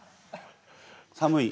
寒い。